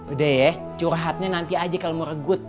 udah ya curhatnya nanti aja kalau mau regut